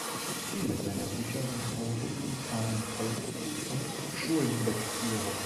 Viele seiner Bücher sind heute in Italien Volksgut und Schullektüre.